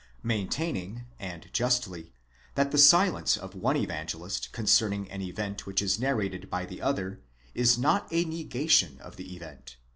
Maintaining, and justly, that the silence of one Evangelist concerning an event which is narrated by the other, is not a negation of the event